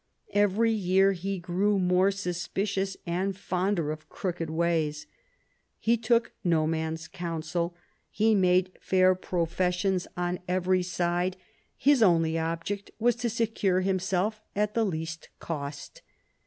Every year he grew more suspicious and fonder of crooked ways. He took no man's counsel; he made fair professions on every I THE STATE OF EUROPE 17 side ; his only object was to secure himself at the least cost.